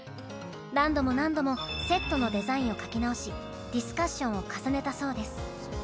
何度も何度もセットのデザインを描き直しディスカッションを重ねたそうです。